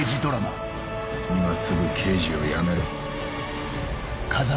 「今すぐ刑事を辞めろ」